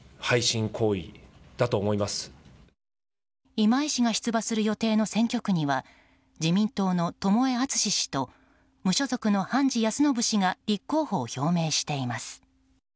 今井氏が出馬する予定の選挙区には自民党の友江惇氏と無所属の判治康信氏が立候補を表明しています。